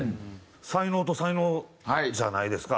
才能と才能じゃないですか。